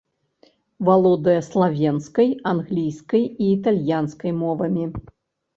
Валодае славенскай, англійскай і італьянскай мовамі.